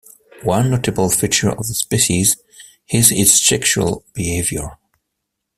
One notable feature of the species is its sexual behavior.